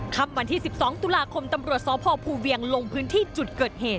วันที่๑๒ตุลาคมตำรวจสพภูเวียงลงพื้นที่จุดเกิดเหตุ